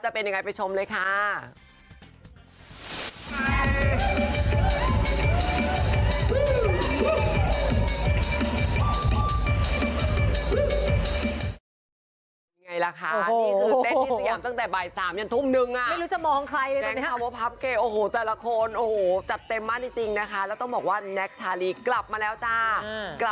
เป็นยังไงไปชมเลยค่ะ